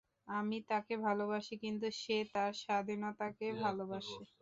আমি তাকে ভালোবাসি, কিন্তু সে তার স্বাধীনতাকে ভালবাসে।